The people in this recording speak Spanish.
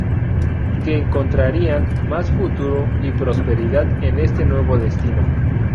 Que encontrarían mas futuro y prosperidad en ese nuevo destino.